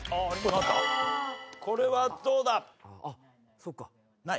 これはどうだ？ない？